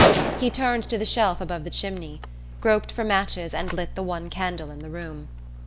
He turned to the shelf above the chimney, groped for matches and lit the one candle in the room.